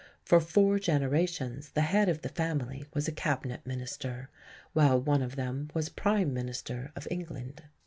For four generations the head of the family was a Cabinet Minister, while one of them was Prime Minister of England.